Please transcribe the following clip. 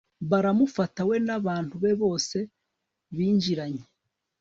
baramufata, we n'abantu be bose binjiranye